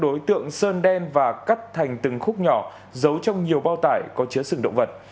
đối tượng sơn đen và cắt thành từng khúc nhỏ giấu trong nhiều bao tải có chứa sừng động vật